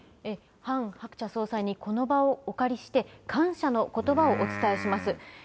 ハン・ハクチャ総裁に、この場をお借りして、感謝のことばをお伝えします。